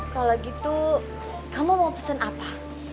kalau gitu kamu mau pesen apa